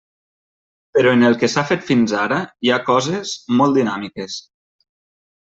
Però en el que s'ha fet fins ara, hi ha coses molt dinàmiques.